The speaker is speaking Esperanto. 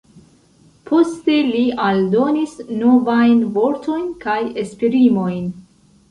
Poste li aldonis novajn vortojn kaj esprimojn.